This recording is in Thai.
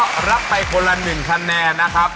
ก็รับไปคนละ๑คะแนนนะครับ